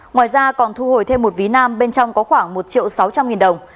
ngoài ra còn thu hồi thêm một ví nam bên trong có khoảng một triệu sáu trăm linh nghìn đồng